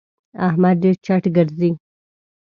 احمد ډېر چټ ګرځي.